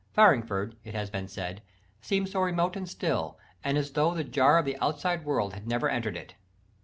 Farringford, it has been said, "seemed so remote and still, and as though the jar of the outside world had never entered it."